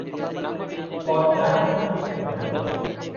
পদ্মা নদীতে ধরা পড়ে।